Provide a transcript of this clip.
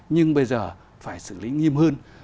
nhưng bây giờ phải xử lý nghiêm hơn